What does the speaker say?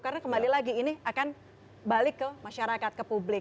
karena kembali lagi ini akan balik ke masyarakat ke publik